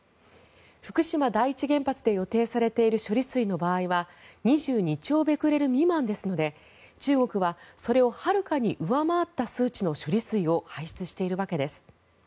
福島第一原発で予定されている処理水の場合は２２兆ベクレル未満ですので中国はそれをはるかに上回った数値の処理水を排出しているわけです。